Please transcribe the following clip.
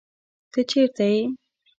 ته چېرته يې